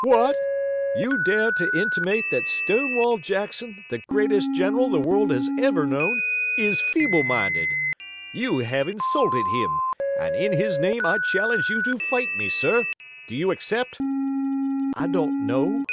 "What! You dare to intimate that Stonewall Jackson, the greatest general the world has ever known, is feeble minded! You have insulted him, and in his name I challenge you to fight me, sir. Do you accept?" "I don't know."